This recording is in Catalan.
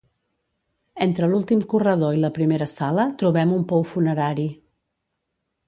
Entre l'últim corredor i la primera sala trobem un pou funerari.